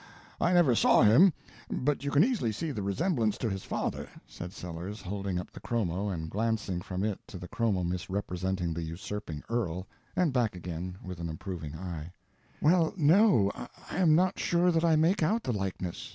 I never saw him, but you can easily see the resemblance to his father," said Sellers, holding up the chromo and glancing from it to the chromo misrepresenting the Usurping Earl and back again with an approving eye. "Well, no—I am not sure that I make out the likeness.